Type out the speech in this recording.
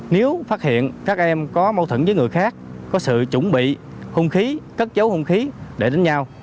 nếu phát hiện các em có mâu thuẫn với người khác có sự chuẩn bị khung khí cất chấu khung khí để đánh nhau